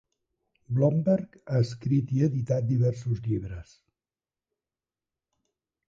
Blomberg ha escrit i editat diversos llibres.